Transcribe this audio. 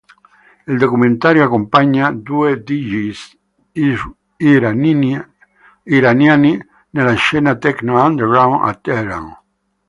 Il documentario accompagna due Djs iraniani della scena tecno underground a Teheran.